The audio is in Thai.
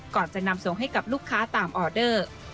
ก่อนจะนำส่งให้กับลูกค้าตามออเดอร์